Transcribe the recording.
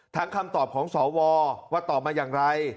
คำตอบของสวว่าตอบมาอย่างไร